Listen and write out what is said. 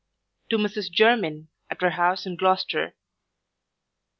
To Mrs JERMYN at her house in Gloucester.